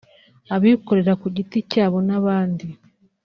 abikorera ku giti cyabo n’abandi